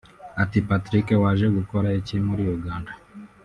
ati “Patrick waje gukora iki muri Uganda